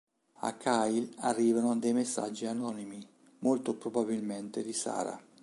A Kyle arrivano dei messaggi anonimi, molto probabilmente di Sarah.